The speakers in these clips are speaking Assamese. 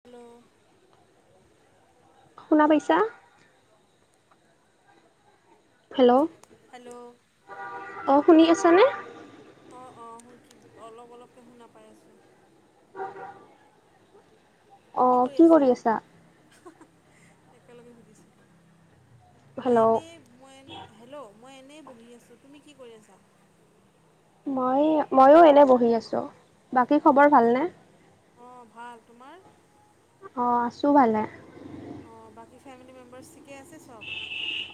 হেল্ল' শুনা পাইছা হেল্ল' হেল্ল' অ শুনি আছা নে? অ অ শুনি অলপ অলপকে শুনা পাই আছোঁ কি কৰি আছা একেলগে সুধিছো মই হেল্ল' এনেই মই এনে হেল্ল' মই এনেই বহি আছোঁ তুমি কি কৰি আছা মই ময়ো এনে বহি আছোঁ বাকী খবৰ ভালনে? অ ভাল তোমাৰ অ আছো ভালে অ বাকী ফেমিলি মেম্বাৰছ ঠিকে আছে চব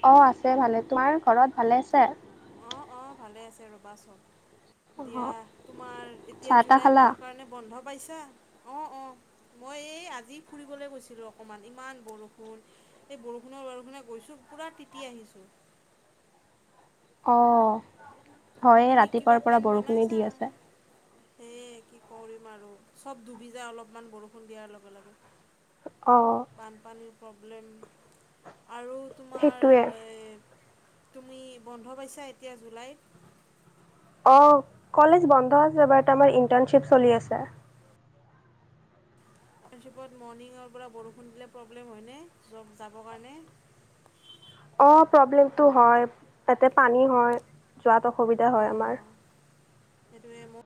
অ আছে ভালে তোমাৰ ঘৰত ভালে আছে? অ অ ভালে আছে ৰ'বা চব দিয়া অঁ তোমাৰ এতিয়া চাহ তাহ জুলাই খালা? মাহৰ কাৰণে বন্ধ পাইছা অ অ। মই এই আজি ফুৰিবলে গৈছিলোঁ অকণমান ইমান বৰষুণ। এই বৰষুণে বৰষুণে গৈছোঁ পূৰা তিতি আহিছোঁ অ হয় তুমি কিবা ৰাতিপুৱাৰ পৰা বৰষুণেই দি আছে। সে কি কৰিম আৰু চব ডুবি যায় অলপমান বৰষুণ দিয়াৰ লগে লগে অ বানপানীৰ প্ৰব্লেম আৰু তোমাৰ সেইটোৱে। এই তুমি বন্ধ পাইছা এতিয়া জুলাইত অ কলেজ বন্ধ আছে বাট আমাৰ ইণ্টাৰ্ণশ্বিপ চলি আছে। ইন্টাৰ্ণশ্বিপত মৰ্ণিঙৰ পৰা বৰষুণ দিলে প্ৰব্লেম হয়নে? জব যাবৰ কাৰণে। অ প্ৰব্লেমটো হয়, তাতে পানী হয় যোৱাত অসুবিধা হয় অঁ আমাৰ। সেইটোৱে ম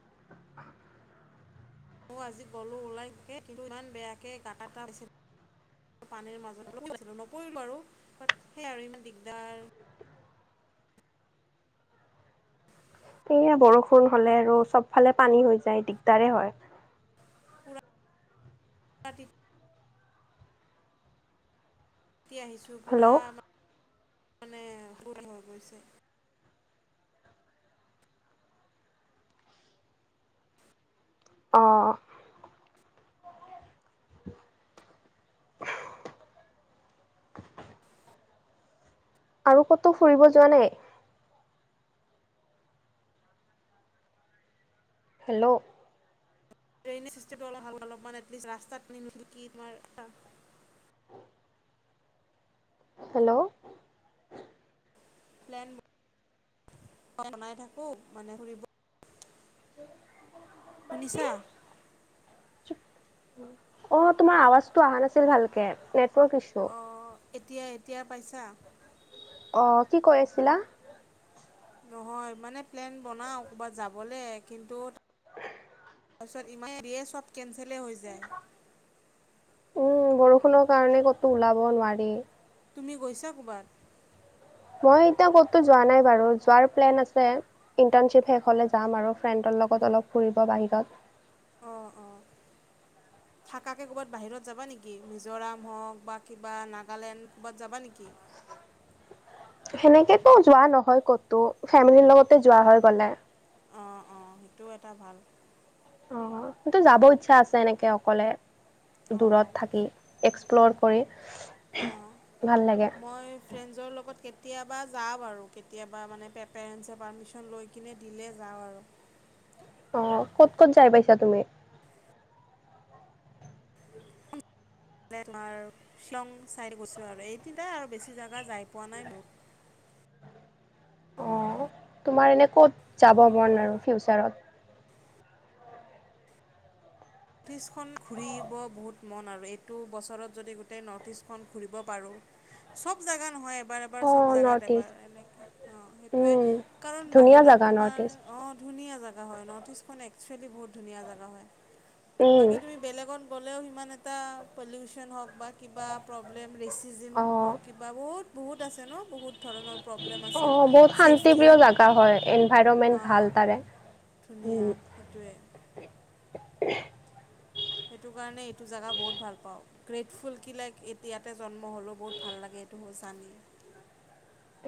মই আজি গ'লো ওলাইকে কিন্তু ইমান বেয়াকে গাটা এটা ওলাইছে পানীৰ মাজত নপৰি বাছিলোঁ নপৰিলো আৰু বাট সেইয়া আৰু ইমান দিগদাৰ। সেয়া বৰষুণ হলে আৰু চব ফালে পানী হৈ যায় দিগদাৰে হয়। ৰাতিত তিতি আহিছো পুৰা হেল্ল' মানে সুৰ হৈ গৈছে [unintelligible] অ আৰু ক'তো ফুৰিব যোৱা নাই? হেল্ল'। ৰেইনিজ চিষ্টেমটো অলপ ভাল অলপ এলিষ্ট ৰাস্তা এনখিলিকি তোমাৰ [unintelligible] হেল্ল'। প্লেন বনাই থাকো মানে ফুৰিব। শুনিছা? অ তোমাৰ আৱাজটো অহা নাছিল ভালকে নেটৱৰ্ক ইছু। অঁ এতিয়া এতিয়া পাইছা? অঁ কি কৈ আছিলা? নহয় মানে প্লেন বনাওঁ ক'ৰবাত যাবলে কিন্তু। তাৰপিছত ইমান দিয়ে চব কেনচেলেই হৈ যায়। উম বৰষুণৰ কাৰণে ক'তো ওলাব নোৱাৰি। তুমি গৈছা ক'বাত? মই এতিয়া ক'তো যোৱা নাই বাৰু, যোৱাৰ প্লেন আছে। ইণ্টাৰ্ণশ্বিপ শেষ হ'লে যাম আৰু ফ্ৰেণ্ডৰ লগত অলপ ফুৰিব বাহিৰত। অঁ অঁ। থাকাকে ক'ৰবাত বাহিৰত যাবা নেকি? মিজোৰাম হওক বা কিবা নাগালেণ্ড ক'ৰবাত যাবা নেকি? সেনেকেতো যোৱা নহয় কতো, ফেমিলিৰ লগতে যোৱা হয় গ'লে। অঁ অঁ সেইটোও এটা ভাল। অ সটো যাব ইচ্ছা আছে এনেকে অকলে অঁ দূৰত থাকি। এক্সপ্ল'ৰ কৰি। অঁ ভাল লাগে মই। ফ্ৰেণ্ডছৰ লগত কেতিয়াবা যাওঁ বাৰু, কেতিয়াবা মানে পেৰেণ্টচে পাৰ্মিশন লৈ কিনে দিলে যাওঁ আৰু। অ ক'ত ক'ত যাই পাইছা তুমি? তোমাৰ শ্বিলং চাই গৈছো আৰু এই তিনটাই আৰু বেছি জাগগা যাই পোৱা নাই মোক। অ তোমাৰ এনে ক'ত যাব মন আৰু ফিউচাৰত? নৰ্থ ইষ্টখন ঘূৰিব বহুত মন আৰু, এইটো বছৰত যদি গোটেই নৰ্থ ইষ্টখন ঘূৰিব পাৰোঁ। চব জাগা নহয় এবাৰ এবাৰ অঁ চব নৰ্থ জোগাত ইষ্ট এবাৰ এনেকে। অ সেইটোৱে উম। কাৰণ ধুনীয়া বাহিৰত জেগা তোমাৰ নৰ্থ ইষ্ট অ ধুনীয়া জানি। হয় নৰ্থ ইষ্টখন একচসুৱেলি বহুত ধুনীয়া জেগা হয়। বাকী তুমি বেলেগত গ'লেও সিমান এটা পলিউচন হওক বাট। কিবা প্ৰব্লেম ৰেচিজিম অঁ হওক কিবা বহুত বহুত আছে ন বহুত। ধৰণৰ প্ৰব্লেম আছে অঁ বহুত শান্তিপ্ৰিয় ছেফটিৰো জেগা হয় এনভাইৰনমেণ্ট হা। ভাল তাৰে ধুনীয়া উম, সেইটোৱে। সেইটো কাৰণে এইটো জেগা বহুত ভাল পাওঁ। গ্ৰেটফুল কি লাইক এতিয়াতে জন্ম হ'লো বহুত ভাল লাগে এইটো হ জানেই।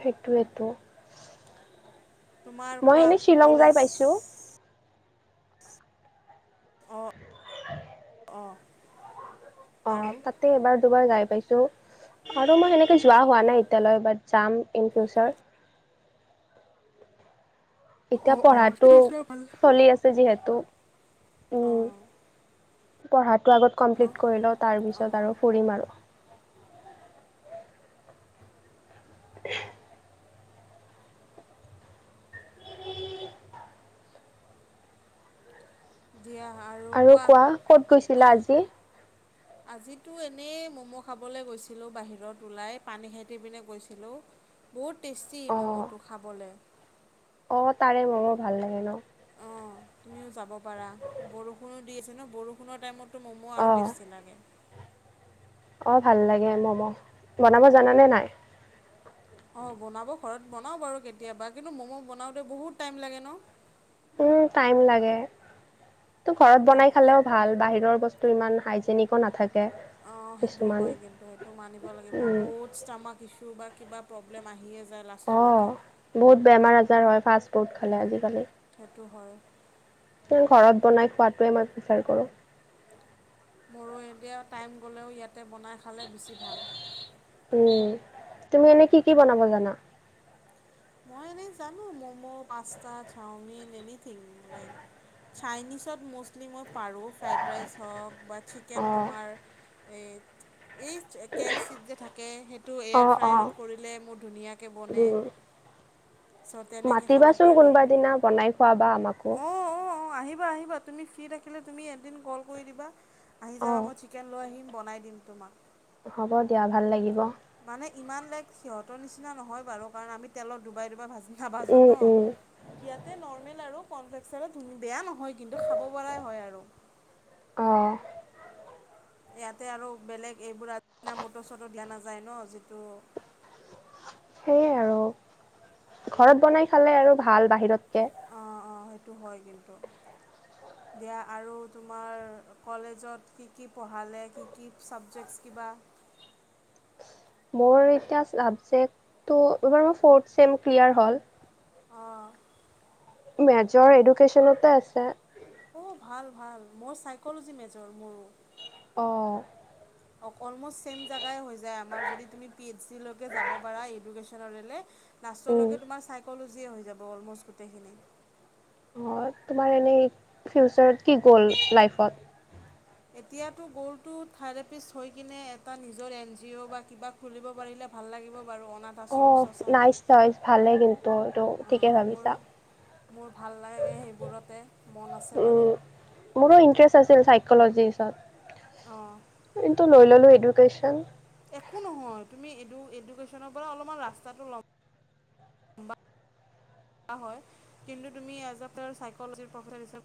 সেইটোৱেইটো। তোমাৰ মই কোৱা এনেই শ্বিলং যাই কলেজ পাইছো। অঁ। [inaudible] অ'। অ তাতে এবাৰ দুবাৰ গাই পাইছো। আৰু মই সেনেকে যোৱা হোৱা নাই এতিয়ালৈ বাট যাম ইন ফিউচাৰ। অ এতিয়া অ পঢ়াটো সেইটো এটা ভাল চলি আছে। যিহেতু অঁ পঢ়াটো আগত। ন কমপ্লিট কৰি লওঁ অঁ তাৰপিছত আৰু অঁ ফুৰিম আৰু। [unintelligible] দিয়া আৰু কোৱা। ক'ত গৈছিলা আজি? আজিতো এনেই ম'ম' খাবলৈ গৈছিলোঁ বাহিৰত ওলাই পানী খাইথি পিনে গৈছিলোঁ। বহুত টেষ্টি অ', ম'ম'টো খাবলৈ। অ তাৰে ম'ম ভাল লাগে ন? অঁ তুমিও যাব পাৰা বৰষুণো দি আছে ন বৰষুণৰ টাইমতটো ম'মো আৰু অ', টেষ্টি লাগে। অ ভাল লাগে মম' বনাব জানানে নাই? অঁ বনাব ঘৰত বনাওঁ বাৰু কেতিয়াবা কিন্তু ম'ম' বনাওঁতে বহুত টাইম লাগে ন। উম টাইম লাগে ত ঘৰত তাক বনাই খালেও ভাল বাহিৰৰ বস্তু। তটো ইমান হাইজেনিকো নাথাকে। অ সেইটো কিছুমান। হয় কিন্তু সেইটো মানিব লাগিব উম, বহুত ষ্টামাক ইচু তো বা কিবা প্ৰব্লেম আহিয়ে যায়। লাষ্টলৈকে অঁ বহুত বেমাৰ আজাৰ হয় ফাষ্ট ফুড খালে উম, আজিকালি। সেইটো হয়, তো ঘৰত বনাই খোৱাতোৱে মই প্ৰিফাৰ কৰো। মোৰো এতিয়া টাইম গ'লেও ইয়াতে বনাই খালে বেছি ভাল। উম তুমি এনে কি কি বনাব জানা? মই এনেই জানো momo, pasta, chowmein, anything like চাইনিজত ম'ষ্টলি মই পাৰোঁ ফ্ৰাইড ৰাইচ হওক বা- চিকেন অ', তোমাৰ এই এই কে এফ চিত যে থাকে সেই টো এয়াৰ অ', অ', ফ্ৰায়াৰত কৰিলে মোৰ ধুনীয়াকে বনে। উম। চ তেনেকে খাব মাতিবাচোন পাৰে কোনোবা দিনা বনাই খোৱাবা আমাকো। অ, অ, অ আহিবা, আহিবা। তুমি ফ্ৰী থাকিলে তুমি এদিন কল কৰি দিবা আহি যাবা অঁ মই চিকেন লৈ আহিম বনাই দিম তোমাক। হ'ব দিয়া ভাল লাগিব। মানে ইমান লাইক সিহতৰ নিচিনা নহয় বাৰু কাৰণ আমি তেলত ডুবাই ডুবাই ভাজি নাভাজো উম ত। উম ইয়াতে নৰ্মেল আৰু কনফেক্সাৰে ধুন বেয়া নহয় কিন্তু খাব পৰাই হয় আৰু। অঁ, ইয়াতে আৰু বেলেগ এইবোৰ আদিনা মট চট দিয়া নাযায় ন যিটো। সেয়ে আৰু, ঘৰত বনাই খালে আৰু ভাল বাহিৰতকে। অঁ অঁ সেইটো হয় কিন্তু। দিয়া আৰু তোমাৰ কলেজত কি কি পঢ়ালে কি কি চাবজেক্টছ কিবা মোৰ এতিয়া ছাবজেক্টটো এইবাৰ মোৰ ফৰ্থ চেম ক্লিয়াৰ হ'ল অঁ মেজৰ এডুকেশ্যনতে আছে অঁ ভাল ভাল মোৰ চাইকলজি মেজৰ মোৰ অঁ [unintelligible] অক অলম'ষ্ট ছেম জেগাই হৈ যায় আমাৰ যদি তুমি পি এইচ ডি লৈকে যাব পাৰা এডুকেশ্যনৰেলে উম নাচলৈকে তোমাৰ চাইকলজিয়ে হৈ যাব অলমষ্ট গোটেইখিনি। অঁ তোমাৰ এনেই ফিউচাৰত কি গ'ল লাইফত? এতিয়াতো গ'লটো থেৰাপিষ্ট হৈ কিনে এটা নিজৰ এন জি অ' বা কিবা খুলিব পাৰিলে ভাল লাগিব বাৰু অনাথ আশ অঁ নাইচ নাইচ ভালে কিন্তু এইটো ঠিকে মোৰ ভাবিছা। মোৰ ভাল লাগে সেইবোৰতে মন আছে বাৰু মোৰো ইণ্টেৰেচ্ আছিল চাইকলজিচত অ কিন্তু লৈ ললো এডুকেচন একো নহয় তুমি এডু এডুকেশ্যনৰ পৰা অলপমান ৰাস্তাটো ল'ম হয় কিন্তু তুমি এজ এ চাইকলজিৰ প্ৰফেচা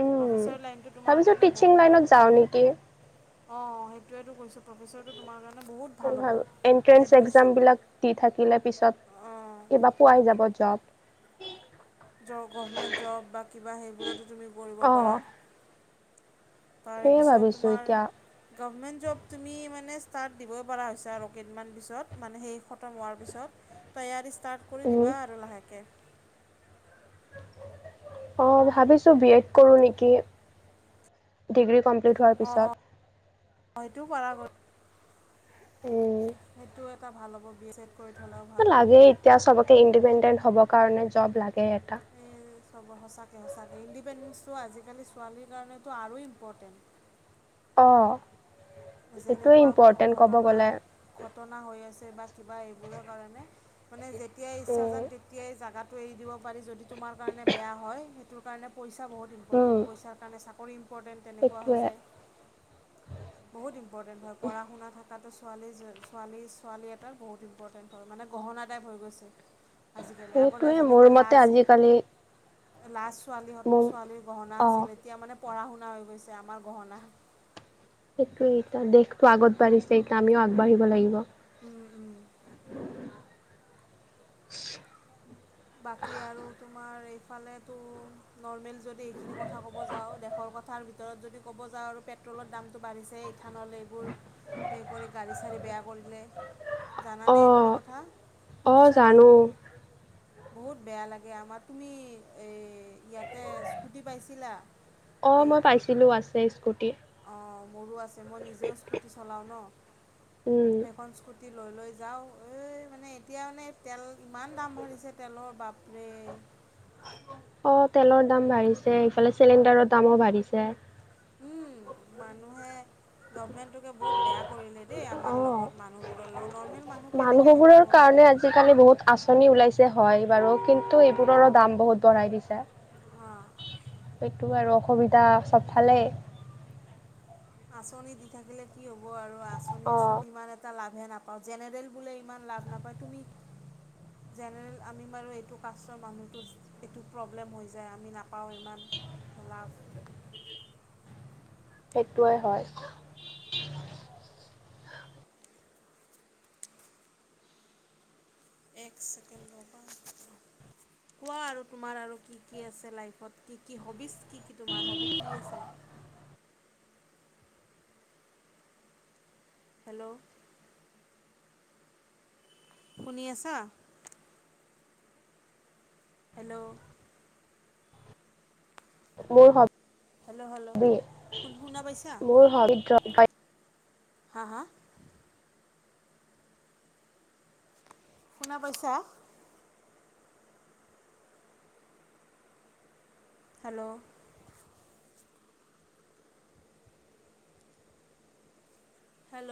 উম। প্ৰফেচাৰ লাইনটো তোমাৰ ভাবিছো কাৰণে টিচিং বহুত ভাল লাইনত যাওঁ নেকি। হ'ব অ সেইটোৱেতো কৈছো প্ৰফেচৰটো তোমাৰ কাৰণে বহুত খুব ভাল এণ্ট্ৰেন্স এক্জাম এডুকেশ্যন। বিলাক দি থাকিলে পিছত অঁ কিবা পোৱাই যাব জব জ গভমেণ্ট জব বা কিবা সেইবোৰতো তুমি কৰিব অ' পাৰা সেয়ে তাৰেপিছত ভাবিছো তোমাৰ এতিয়া গভমেণ্ট জব তুমি মানে ষ্টাৰ্ট দিবই পৰা হৈছে আৰু কেইদিনমান পিছত মানে সেই খতম হোৱাৰ পিছত তৈয়াৰি ষ্টাৰ্ট কৰি উম দিবা আৰু লাহেকে অঁ ভাবিছোঁ বি এড কৰোঁ নিকি ডিগ্ৰী কমপ্লিট হোৱাৰ পিছত অ সেইটো পৰা গ'ল উম সেইটো এটা ভাল হ'ব বি এল এড কৰি থলে এ লাগে এতিয়া চবকে ইণ্ডিপেণ্ডেণ্ট হবৰ কাৰণে জব লাগে এটা এই চব সঁচাকে সঁচাকে ইণ্ডিপেণ্ডেঞ্চটো আজিকালি ছোৱালীৰ কাৰণেতো আৰু ইম্পৰ্টেণ্ট অঁ এইটোৱে যেনেকুৱা ইম্পৰ্টেণ্ট ক'ব ঘটনা গ'লে ঘটনা হৈ আছে বা কিবা এইবোৰৰ কাৰণে মানে যেতিয়াই ইচ্ছা উম। জান তে তেতিয়াই জাগাটো এৰি দিব পাৰি যদি তোমাৰ কাৰণে বেয়া হয় সেইটোৰ কাৰণে পইচা বহুত উম ইম্পৰ্টেণ্ট পইচাৰ কাৰণে চাকৰি ইম্পৰ্টেণ্ট তেনেকুৱা হৈ সেইটোৱে যায় বহুত ইম্পৰ্টেণ্ট হয় পঢ়া শুনা থকাটো ছোৱালী ছোৱালী ছোৱালী এটাৰ বহুত ইম্পৰ্টেণ্ট মানে গহনা তাইপ হৈ গৈছে আাজি কালি আগতে সেইটোৱে মোৰ যেনেকে মতে আজিকালি লাষ্ট লাষ্ট ছোৱালী মোৰ হত ছোৱালীৰ গহনা অ' আছিল এতিয়া মানে পঢ়া শুনা হৈ গৈছে আমাৰ গহনা সেইটোৱে এতিয়া দেশটো আগত বাঢ়িছে এতিয়া আমিও আগবাঢ়িব লাগিব উম উম বাকী আৰু তোমাৰ এইফালেতো নৰ্মেল যদি এইখিনি কথা ক'ব যাওঁ দে শৰ কথাৰ ভিতৰত যদি ক'ব যাওঁ আৰু পেট্ৰলৰ দামটো বাঢ়িছে ইথানলে এইবোৰ সেই কৰি গাড়ী চাড়ী বেয়া কৰিলে জানানে এইবোৰৰ অ', কথা অ', শুনিছানে জানো বহুত বেয়া লাগে আমাৰ তুমি এই ইয়াতে স্কুটি পাইছিলা সেইত ছিলো আছে স্কুটি অঁ মোৰো আছে মই নিজেও স্কুটি চলাওঁ ন উম, সেইখন স্কুটি লৈ লৈ যাওঁ এই মানে এতিয়া মানে তেল ইমান দাম বাঢ়িছে তেলৰ বাপৰে অ তেলৰ দাম বাঢ়িছে ইফালে চিলিণ্ডাৰৰ দামৌ বাঢ়িছে উম মানুহে গভমেণ্টোকে বহুত বেয়া কৰিলে দেই আমাৰ অ', লগত মানুহবোৰৰ লগত নৰ্মেল মানু মানুহবোৰৰ কাৰণে আজিকালি বহুত আচ আছনি ওলাইছে হয় বাৰু কিন্তু এইবোৰৰো দাম বহুত বঢ়াই দিছে হা এইটো আৰু অসুবিধা চবফালেই। আঁচনি দি থাকিলে কি হ'ব আৰু আঁচনিৰচোন অ', ইমান এটা লাভে নাপাওঁ জেনেৰেল বোলে ইমান লাভ নাপায় তুমি জেনেৰেল আমি বাৰু এইটো কাষ্টৰ মানুহটো এইটো প্ৰব্লেম হৈ যায় আমি নাপাওঁ ইমান লাভ সেইটোৱে হয় এক ছেকেণ্ড ৰবা কোৱা আৰু তোমাৰ আৰু কি কি আছে লাইফত কি কি হবিছ কি কি তোমাৰ হবি কি আছে? হেল্ল'! শুনি আছা? হেল্ল'! মোৰ হেল্ল' হেল্ল' হ-বি, শুন শুনা পাইছা মোৰ হবি গই গাই হা হা! শুনা পাইছা? হেল্ল'! হেল্ল'!